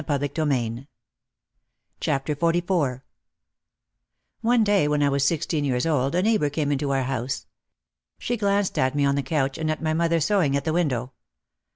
OUT OF THE SHADOW 199 XLIV One day when I was sixteen years old a neighbour came into our house. She glanced at me on the couch and at mother sewing at the window.